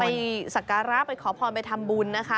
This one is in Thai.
สักการะไปขอพรไปทำบุญนะคะ